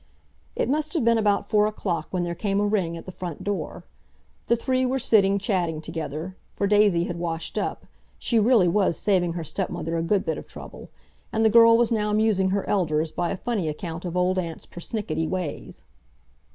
It must have been about four o'clock when there came a ring at the front door. The three were sitting chatting together, for Daisy had washed up—she really was saving her stepmother a good bit of trouble—and the girl was now amusing her elders by a funny account of Old Aunt's pernickety ways.